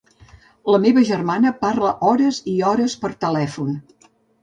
La meva germana parla hores i hores per telèfon.